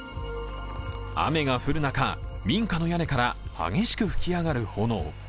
雨が降る中、民家の屋根から激しく噴き上がる炎。